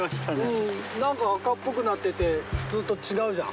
何か赤っぽくなってて普通と違うじゃん。